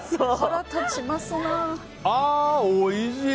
あーおいしい！